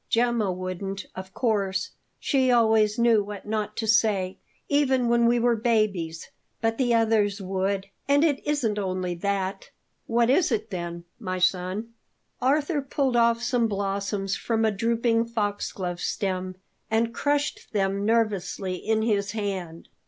Gemma wouldn't, of course; she always knew what not to say, even when we were babies; but the others would. And it isn't only that " "What is it then, my son?" Arthur pulled off some blossoms from a drooping foxglove stem and crushed them nervously in his hand.